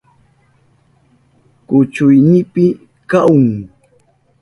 Kuchuynipi kahun.